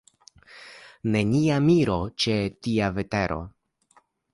Nenia miro, ĉe tia vetero!